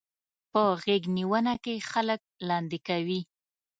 په غېږنيونه کې خلک لاندې کوي.